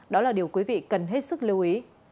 đó là điều quý vị cần hết sức lưu ý